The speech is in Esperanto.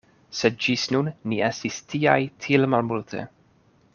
Sed ĝis nun ni estis tiaj tiel malmulte.